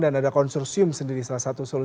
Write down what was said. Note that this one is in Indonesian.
dan ada konsersium sendiri salah satu solusi